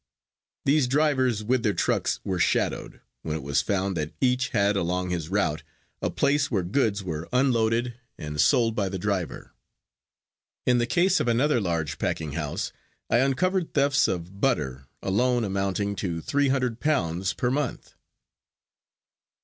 These drivers with their trucks were shadowed, when it was found that each had along his route a place where goods were unloaded and sold by the driver. In the case of another large packing house I uncovered thefts of butter alone amounting to three hundred pounds per month.